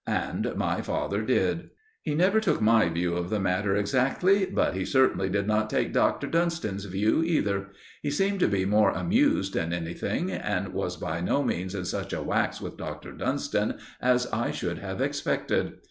And my father did. He never took my view of the matter exactly; but he certainly did not take Dr. Dunston's view either. He seemed to be more amused than anything, and was by no means in such a wax with Dr. Dunston as I should have expected.